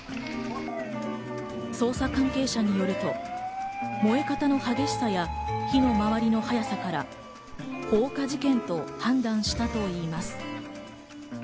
捜査関係者によると、燃え方の激しさや、火のまわりの早さから放火事件と判断したといいます。